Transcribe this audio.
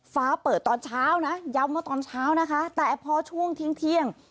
ฟ้าเปิดตอนเช้านะย้ำว่าตอนเช้านะคะแต่พอช่วงทิ้งเที่ยง